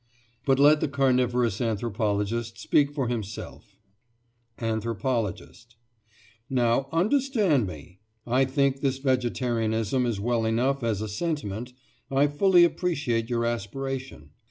But let the carnivorous anthropologist speak for himself: ANTHROPOLOGIST: Now, understand me! I think this vegetarianism is well enough as a sentiment; I fully appreciate your aspiration.